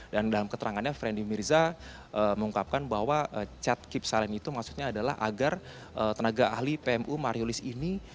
dan dalam keterangannya feryandi mirza mengungkapkan bahwa cat keep silent itu maksudnya adalah agar tenaga ahli pmu mariulis ini